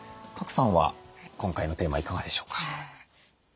賀来さんは今回のテーマいかがでしょうか？